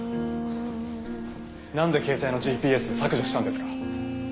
なんで携帯のＧＰＳ削除したんですか？